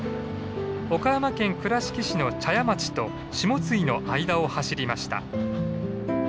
岡山県倉敷市の茶屋町と下津井の間を走りました。